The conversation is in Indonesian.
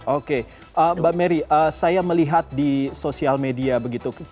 oke mbak merry saya melihat di sosial media begitu